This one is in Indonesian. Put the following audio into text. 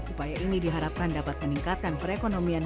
upaya ini diharapkan dapat meningkatkan perekonomian